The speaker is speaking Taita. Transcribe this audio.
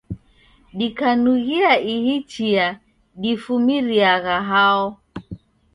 Dikanughia ihi chia difumiriagha hao?